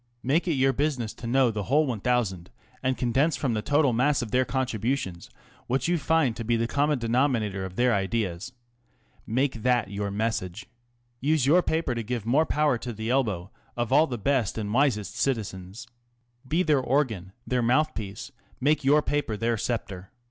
Make it your business to know the whole 1,000, and condense from the total mass of their con tributions what you find to be the common denomi nator of their ideas. Make that your message. Use your paper to give more power to the elbow of all the best and wisest citizens. Be their organ, their mouth piece, make your paper their sceptre.